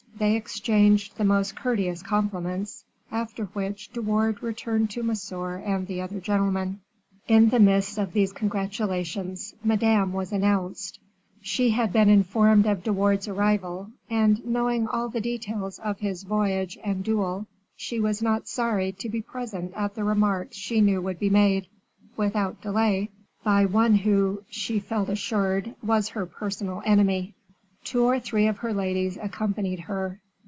They exchanged the most courteous compliments, after which De Wardes returned to Monsieur and the other gentlemen. In the midst of these congratulations Madame was announced. She had been informed of De Wardes's arrival, and knowing all the details of his voyage and duel, she was not sorry to be present at the remarks she knew would be made, without delay, by one who, she felt assured, was her personal enemy. Two or three of her ladies accompanied her.